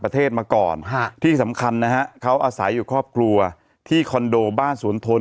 ประเทศมาก่อนฮะที่สำคัญนะฮะเขาอาศัยอยู่ครอบครัวที่คอนโดบ้านสวนทน